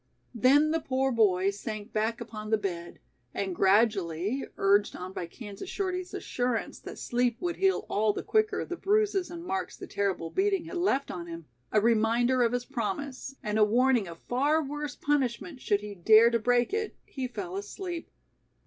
Then the poor boy sank back upon the bed and gradually, urged on by Kansas Shorty's assurance that sleep would heal all the quicker the bruises and marks the terrible beating had left on him, a reminder of his promise, and a warning of far worse punishment should he dare to break it, he fell asleep.